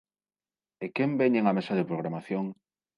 ¿E quen veñen á Mesa de Programación?